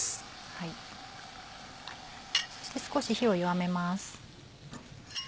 そして少し火を弱めます。